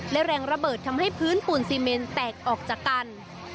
และแรงระเบิดทำให้พื้นปูนซีเมนแตกออกจากกัน